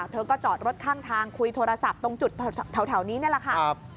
เธอก็จอดรถข้างทางคุยโทรศัพท์ตรงจุดแถวนี้นี่แหละค่ะ